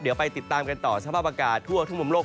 เดี๋ยวไปติดตามกันต่อสภาพอากาศทั่วทุกมุมโลก